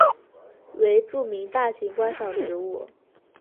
为著名大型观赏植物。